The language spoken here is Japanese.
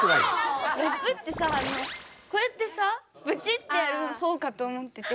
ラップってさこうやってさブチッてやるほうかと思ってて。